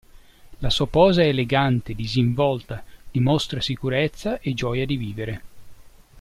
La sua posa è elegante, disinvolta, dimostra sicurezza e gioia di vivere.